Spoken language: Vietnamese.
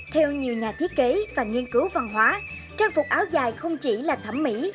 theo nhiều nhà thiết kế và nghiên cứu văn hóa trang phục áo dài không chỉ là thẩm mỹ